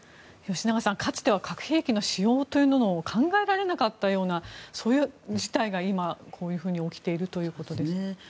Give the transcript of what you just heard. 吉永さん、かつては核兵器の使用というものが考えられなかったようなそういう事態が今起きているということです。